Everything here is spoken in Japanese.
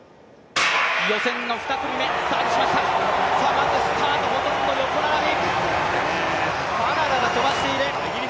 まず、スタートはほとんど横並び。